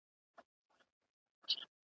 بس دښمن مي د خپل ځان یم .